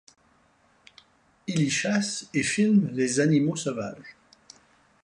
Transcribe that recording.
Il y chasse et filme les animaux sauvages.